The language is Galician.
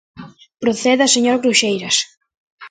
Proceda, señor Cruxeiras.